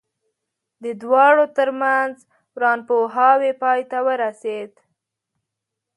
د دواړو ترمنځ ورانپوهاوی پای ته ورسېد.